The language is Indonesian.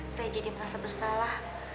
saya jadi merasa bersalah